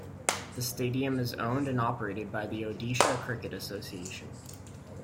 The stadium is owned and operated by the Odisha Cricket Association.